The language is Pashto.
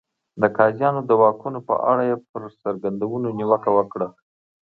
د قاضیانو د واکونو په اړه یې پر څرګندونو نیوکه وکړه.